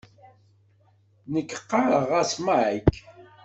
Nekk ɣɣareɣ-as Mike.